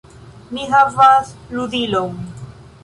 "Mi havas ludilon!"